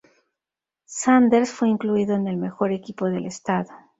Sanders fue incluido en el mejor equipo del estado.